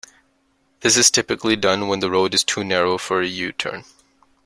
This is typically done when the road is too narrow for a U-turn.